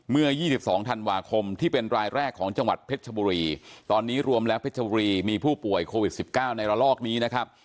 เมื่อ๒๒ธันวาคมที่เป็นรายแรกของจังหวัดเพชรชบุรีตอนนี้รวมแล้วเพชรบุรีมีผู้ป่วยโควิด๑๙ในระลอกนี้นะครับ